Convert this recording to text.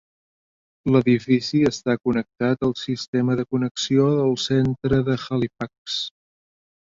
L'edifici està connectat al sistema de connexió del centre de Halifax.